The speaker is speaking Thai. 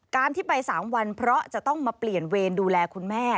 การที่ไป๓วันเพราะจะต้องมาเปลี่ยนเวรดูแลคุณแม่